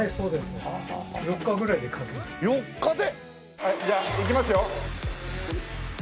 はいじゃあいきますよ。